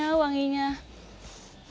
yang paling kecium ini aja